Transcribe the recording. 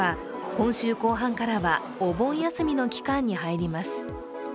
今週後半からは、お盆休みの期間に入ります。